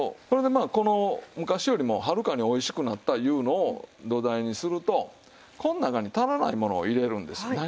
それでまあこの昔よりもはるかにおいしくなったいうのを土台にするとこの中に足らないものを入れるんですよ。